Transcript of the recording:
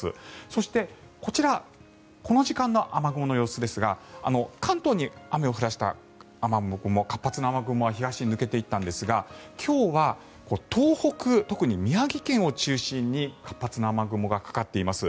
そして、こちらこの時間の雨雲の様子ですが関東に雨を降らせた活発な雨雲は東に抜けていったんですが今日は東北、特に宮城県を中心に活発な雨雲がかかっています。